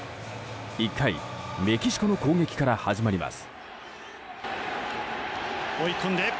１回、メキシコの攻撃から始まります。